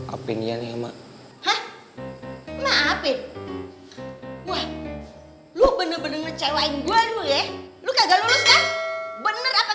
apeng ya nih emak hah emak apeng wah lu bener bener ngecewain gua lu ya lu kagak lulus kan bener apa